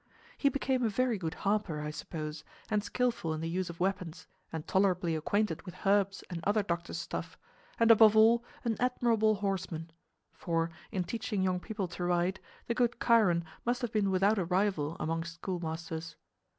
He became a very good harper, I suppose, and skilful in the use of weapons and tolerably acquainted with herbs and other doctor's stuff, and above all, an admirable horseman; for, in teaching young people to ride, the good Chiron must have been without a rival among schoolmasters.